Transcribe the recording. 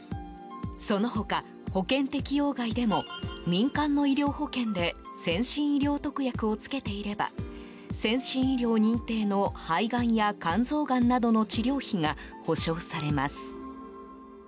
その他、保険適用外でも民間の医療保険で先進医療特約を付けていれば先進医療認定の肺がんや肝臓がんなどの治療費が補償されます。